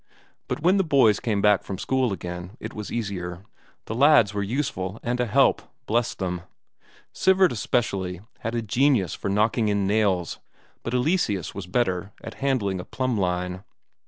But when the boys came back from school again it was easier; the lads were useful and a help, bless them! Sivert especially had a genius for knocking in nails, but Eleseus was better at handling a plumb line.